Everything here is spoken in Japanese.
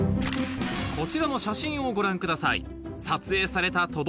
こちらの写真をご覧ください